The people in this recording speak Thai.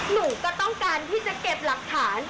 หนูก็ต้องการที่จะเก็บหลักฐาน